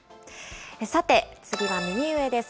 さて、次は右上です。